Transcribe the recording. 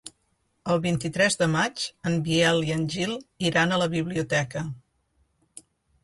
El vint-i-tres de maig en Biel i en Gil iran a la biblioteca.